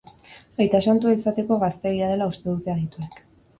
Aita santua izateko gazteegia dela uste dute adituek.